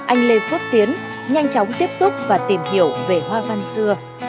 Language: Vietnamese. anh lê phước tiến nhanh chóng tiếp xúc và tìm hiểu về hoa văn xưa